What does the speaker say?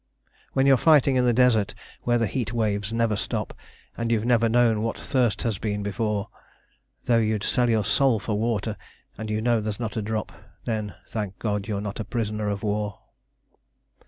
When you're fighting in the desert where the heat waves never stop, And you've never known what thirst has been before, Though you'd sell your soul for water and you know there's not a drop, Then thank God you're not a prisoner of war.